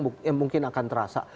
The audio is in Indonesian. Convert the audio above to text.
yang mungkin akan terasa